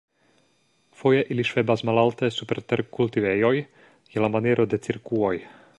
Foje ili ŝvebas malalte super terkultivejoj je la maniero de cirkuoj.